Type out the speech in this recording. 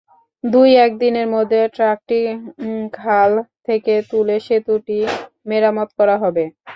দুই-এক দিনের মধ্যে ট্রাকটি খাল থেকে তুলে সেতুটি মেরামত করা হবে।